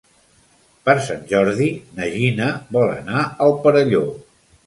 Per Sant Jordi na Gina vol anar al Perelló.